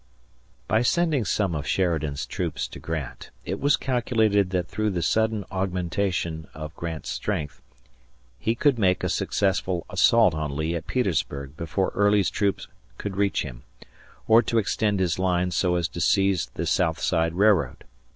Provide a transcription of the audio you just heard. By sending some of Sheridan's troops to Grant, it was calculated that through the sudden augmentation of Grant's strength, he could make asuccessful assault on Lee at Petersburg before Early's troops could reach him, or to extend his lines so as to seize the Southside Railroad.